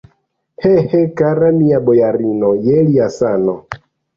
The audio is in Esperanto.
He, he, kara mia bojarino, je lia sano!